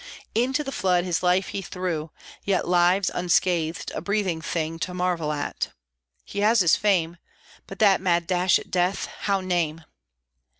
Into the flood his life he threw, Yet lives unscathed a breathing thing To marvel at. He has his fame; But that mad dash at death, how name?